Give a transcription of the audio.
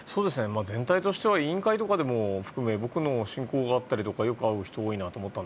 全体としては委員会とかでも含め僕の親交があったりとかよく会う人がいるなと思いました。